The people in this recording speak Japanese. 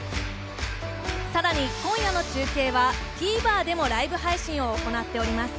さらに今夜の中継はＴｖｅｒでもライブ配信を行っております。